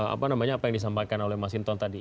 apa yang disampaikan oleh mas hinton tadi